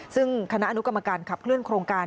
ซึ่งคณะอนุกรรมการขับเคลื่อโครงการ